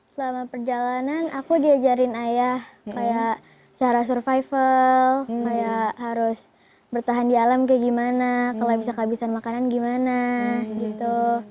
selama perjalanan aku diajarin ayah kayak cara survival kayak harus bertahan di alam kayak gimana kalau bisa kehabisan makanan gimana gitu